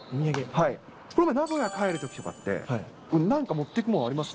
この前、名古屋帰るときとかって、何か持っていくものあります？